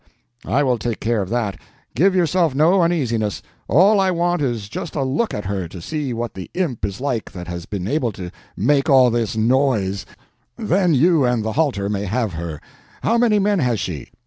I will take care of that; give yourself no uneasiness. All I want is just a look at her, to see what the imp is like that has been able to make all this noise, then you and the halter may have her. How many men has she?"